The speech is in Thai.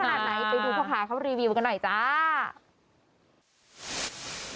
ไปดูเขาค่ะเขารีวิวกันหน่อยจ้า